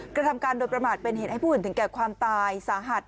กระทำการโดยประมาทเป็นเหตุให้ผู้อื่นถึงแก่ความตายสาหัส